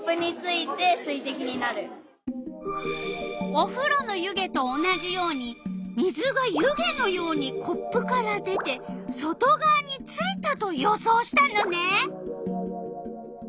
おふろの湯気と同じように水が湯気のようにコップから出て外がわについたと予想したのね！